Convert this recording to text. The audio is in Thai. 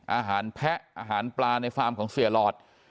แพะอาหารปลาในฟาร์มของเสียหลอด